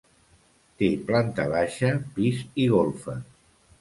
Té planta baixa, pis i golfes.